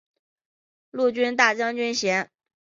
陆军大将军衔。